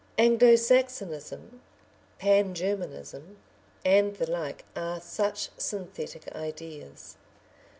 Anglo Saxonism, Pan Germanism, and the like are such synthetic ideas.